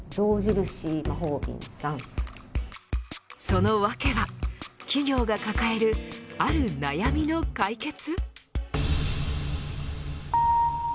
その訳は企業が抱えるある悩みの解決。